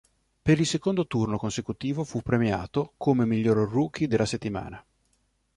Per il secondo turno consecutivo fu premiato come miglior rookie della settimana.